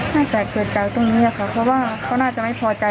น่าจะเกิดจากตรงนี้ค่ะเพราะว่าเขาน่าจะไม่พอใจ